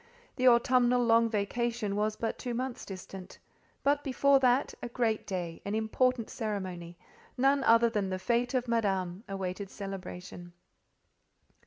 The autumnal long vacation was but two months distant; but before that, a great day—an important ceremony—none other than the fête of Madame—awaited celebration.